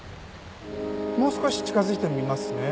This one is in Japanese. もう少し近づいてみますね。